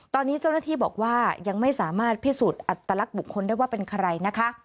ตอนนี้เจ้าหน้าที่บอกว่ายังไม่สามารถพิสูจน์อัตลักษณ์บุคคลได้ว่าเป็นใครนะคะ